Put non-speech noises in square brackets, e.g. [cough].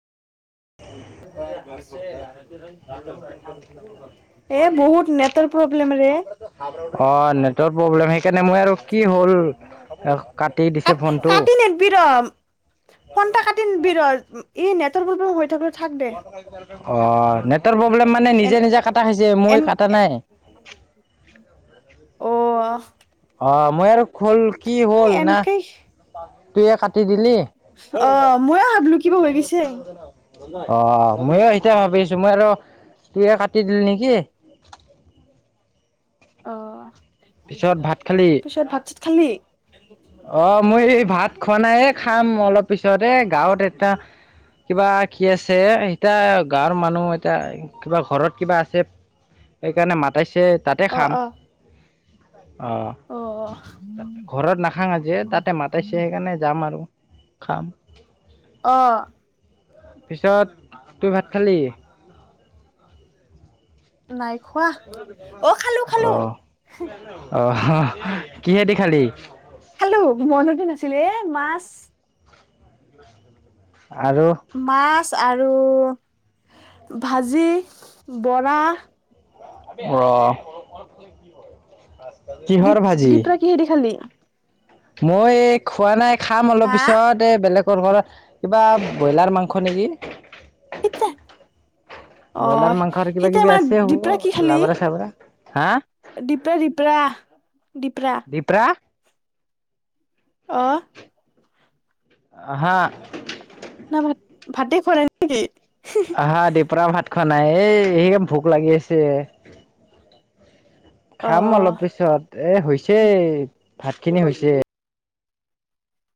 এ, বহুত নেট নেটৰ প্ৰব্লেম ৰে। অ' নেটৰ প্ৰব্লেম সে কাটি দিছে কাত ফোনটো। কাতি নেদবি ৰ'। ফোন তই কাতি নিদবি ৰ' এই নেটৰ প্ৰব্লেম হৈ থাক দে অ'নেটৰ প্ৰব্লেম মানে এন নিজে, নিজে কটা খাইছে এন মই কটা নাই। অ', অ' মই আৰু খল কি হ'ল না এনকে তুইয়ে কাটি দিলি? অ' ময়ো ময়ো ভাবিলো কিবা হৈ গৈছে সেইটোৱেই ভাবি আছোঁ, মই আৰু তুইয়ে কাটি দিল নেকি? অ' পিছত ভাত খালি? পিছত ভাত-চাত খালি? অ' মই এই ভাত খোৱা নাই, এ খাম অলপ পিছত এ গাঁৱত এটা কিবা কি আছে এতিয়া গাঁৱৰ মানুহ এতিয়া কিবা ঘৰত কিবা আছে সেইকাৰণে মাতাইছে তাতে অ খাম। অ অ' ঘৰত নাখাং আজি, এ তাতে মাতাইছে সেইকাৰণে যাম আৰু খাম। অ', পিছত তুই ভাত খালি? নাই খোৱা। অ খালো খালো অ' [unintelligible] কিহেদি খালি? খালোঁ মনতে নাছিলে এ মাছ আৰু? মাছ আৰু ভাজি, বৰা অ', কিহৰ দিপ- ভাজি দিপৰা কি হে দি খালি? মই এ খোৱা নাই খাম অলপ হা পিছত। তে বেলেগৰ ঘৰ কিবা বইলাৰ মাংস নেকি? [unintelligible] ব্ৰইলাৰ মাংসৰ কিবা অ'সেই কিবি তাৰমা আছে হ'ব দীপৰা কি খালি? লাবৰা চাবৰা হা দিপৰা, দিপৰা, দিপৰা? দিপৰা? অ', আহা না ভাত ভাতে খোৱা নাই নেকি? আহা দিপৰা ভাত খোৱা নাই এই সেই [unintelligible] ভোক লাগি আছে। খাম অ অলপ পিছত এ, হৈছে ভাত খিনি হৈছে।